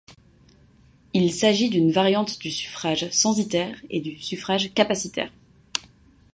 Il s'agit d'une variante du suffrage censitaire et du suffrage capacitaire.